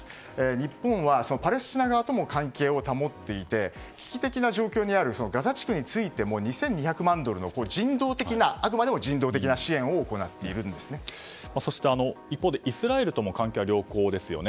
日本はパレスチナ側とも関係を保っていて危機的状況にあるガザ地区についても２２００万ドルのあくまでも人道的なそして、一方でイスラエルとも関係は良好ですよね。